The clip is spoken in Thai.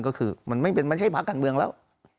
ก็คือมันไม่เป็นมันไม่ใช่ภาคการเมืองแล้ว